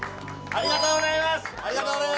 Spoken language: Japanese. ありがとうございます。